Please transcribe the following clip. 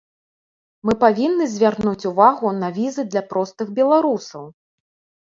Мы павінны звярнуць увагу на візы для простых беларусаў.